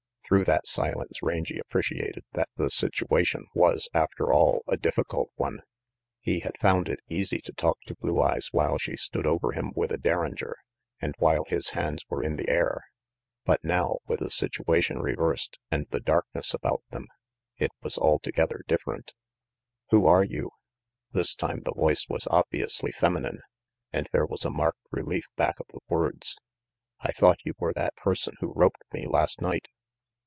Through that silence Rangy appreciated that the situation was, ajfter all, a difficult one. He had found it easy to talk to Blue Eyes while she stood over him with a derringer and while his hands were in the air; but now, with the situation reversed and with darkness about them, it was altogether different. " Who are you? " This time the voice was obviously feminine, and there was a marked relief back of the words. "I thought you were that person who roped me last night."